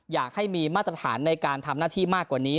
อยากให้มีมาตรฐานในการทำหน้าที่มากกว่านี้